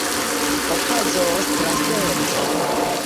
Okazos traserĉo.